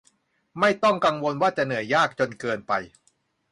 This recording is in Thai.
ไม่ต้องกังวลว่าจะเหนื่อยยากจนเกินไป